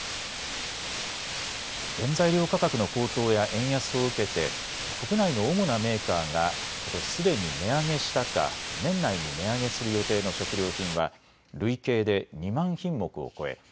原材料価格の高騰や円安を受けて国内の主なメーカーがことしすでに値上げしたか年内に値上げする予定の食料品は累計で２万品目を超え